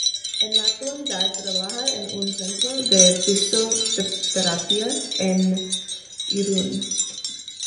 En la actualidad trabaja en un centro de fisioterapia en Irún.